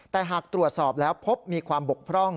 แต่หากตรวจสอบแล้วพบมีความบกพร่อง